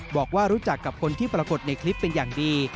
บอกว่ารู้จักกับคนที่ปรากฏในคลิปเป็นอย่างดี